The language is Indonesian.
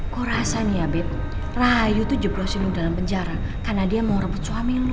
gue rasa nih ya beb rahayu tuh jeblosin lo dalam penjara karena dia mau rebut suami lo